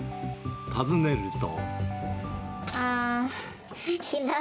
尋ねると。